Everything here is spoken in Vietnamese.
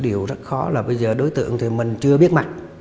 điều rất khó là bây giờ đối tượng thì mình chưa biết mặt